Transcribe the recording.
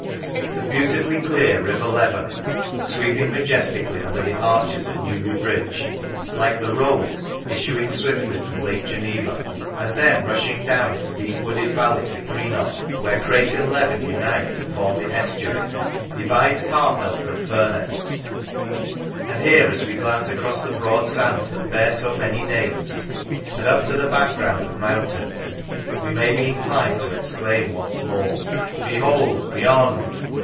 The beautifully clear River Lev en, sweeping majes tically under the arches of Newby bridge (like the Rhone issuing swiftly from Lake Geneva), and then rushing down its deep wooded valley to Greenodd, where Crake and Leven unite to form the estuary, divides Cartmel from Furness, and here as we glance across the broad sands that bear so many names, and up to the background of mountains, we may be inclined to exclaim once more: " Behold ! beyond